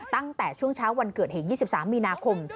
ตั้งแต่ช่วงเช้าวันเกิดเหตุ๒๓มีนาคม